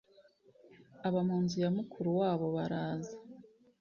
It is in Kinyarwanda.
aba mu nzu ya mukuru wabo baraza